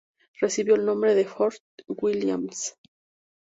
Recibió el nombre de "Fort Williams".